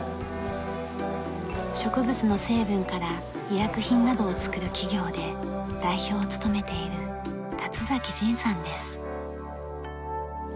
植物の成分から医薬品などを作る企業で代表を務めている立仁さんです。